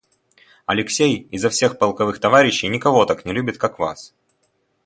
Алексей изо всех полковых товарищей никого так не любит, как вас.